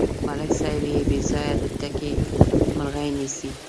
ملک صاحب بېځایه د ټګۍ مرغۍ نیسي.